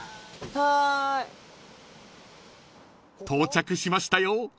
［到着しましたよ。